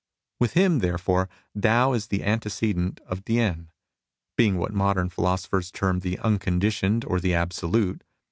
With him, therefore, Tao is the antecedent of T'ien, being what modem philo sophers term the Unconditioned or the Absolute.